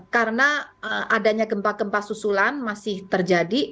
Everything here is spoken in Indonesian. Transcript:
karena adanya gempa gempa susulan masih terjadi